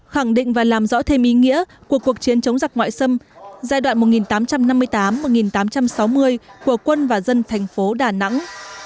khẳng định và làm rõ thêm ý nghĩa của cuộc chiến chống giặc ngoại xâm giai đoạn một nghìn tám trăm năm mươi tám một nghìn tám trăm sáu mươi của quân và dân thành phố đà nẵng